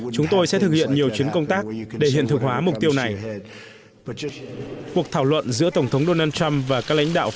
chúng tôi sẽ thực hiện nhiều chuyến công tác